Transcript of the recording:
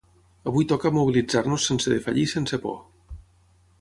Avui toca mobilitzar-nos sense defallir i sense por.